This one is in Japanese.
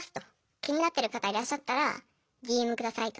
「気になってる方いらっしゃったらＤＭ下さい」と。